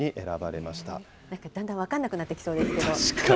なんかだんだん分かんなくなってきそうですけど。